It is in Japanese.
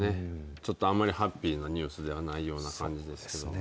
ちょっとあんまり、ハッピーなニュースではない感じですけども。